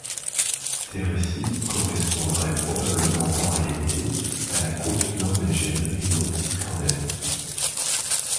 Ces récits correspondraient probablement en réalité à la côte norvégienne et non islandaise.